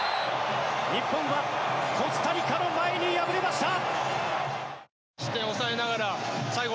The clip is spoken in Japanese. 日本はコスタリカの前に敗れました。